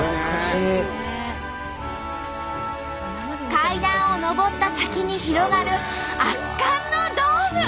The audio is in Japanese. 階段を上った先に広がる圧巻のドーム！